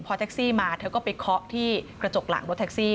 พอแท็กซี่มาเธอก็ไปเคาะที่กระจกหลังรถแท็กซี่